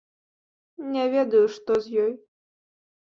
Не ведаю, што з ёй.